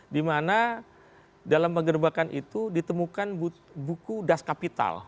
di mana dalam penggerbekan itu ditemukan buku das kapital